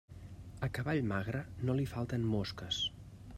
Al cavall magre no li falten mosques.